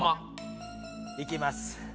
いきます。